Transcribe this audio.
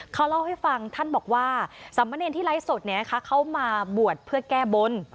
เขาเล่าให้ฟังท่านบอกว่าสามเณรที่ไลฟ์สดเข้ามาบวชเพื่อแก้บน